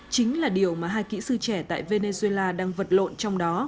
chính là điều mà hai kỹ sư trẻ tại venezuela đang vật lộn trong đó